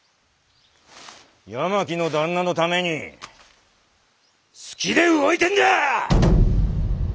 八巻の旦那のために好きで動いてんだ！